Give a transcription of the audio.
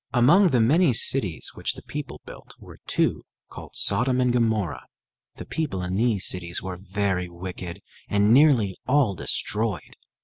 Among the many cities which the people built were two called Sodom and Gomorrah. The people in these cities were very wicked and were nearly all destroyed.